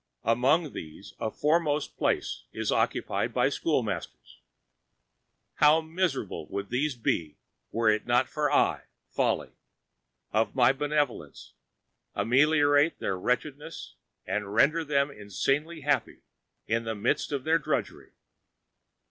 Among these a foremost place is occupied by the schoolmasters. How miserable would these be were it not that I, Folly, of my benevolence, ameliorate their wretchedness and render them insanely happy in the midst of their drudgery!